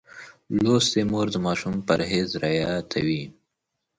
لوستې مور د ماشوم پرهېز رعایتوي.